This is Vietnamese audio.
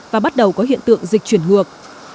và bắt đầu có hiện tượng dịch chuyển ngược